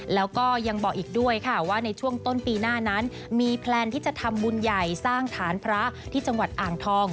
แล้วก็ยังบอกอีกด้วยค่ะว่าในช่วงต้นปีหน้านั้นมีแพลนที่จะทำบุญใหญ่สร้างฐานพระที่จังหวัดอ่างทอง